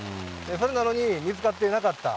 それなのに見つかっていなかった、